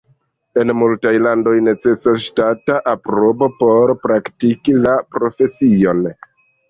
En multaj landoj necesas ŝtata aprobo por praktiki la profesion.